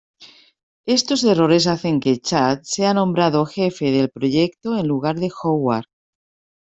Estos errores hacen que Chad sea nombrado jefe del proyecto en lugar de Howard.